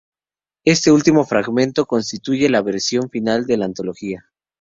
Este último, fragmentario, constituye la versión final de la antología.